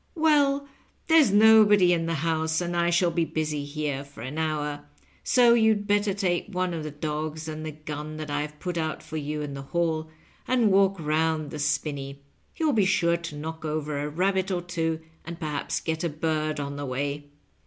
"Well, there's nobody in the house, and I shall be busy here for an hour, so you'd better take one of the dogs and the gun that I've put out for you in the hall and walk round the spinney. You'll be sure to knock over a rabbit or two, and perhaps get a bird on the way."